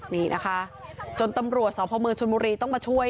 นี่นะคะจนตำรวจสพเมืองชนบุรีต้องมาช่วย